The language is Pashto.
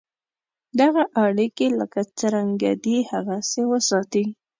دغه اړیکي لکه څرنګه دي هغسې وساتې.